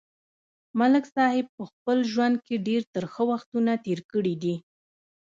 ملک صاحب په خپل ژوند کې ډېر ترخه وختونه تېر کړي دي.